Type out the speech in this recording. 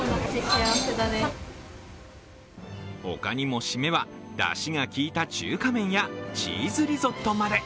ほかにも、シメはだしが効いた中華麺やチーズリゾットまで。